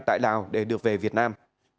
tại lào để được về việt nam